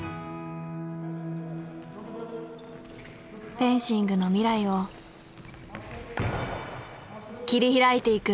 フェンシングの未来を切り開いていく！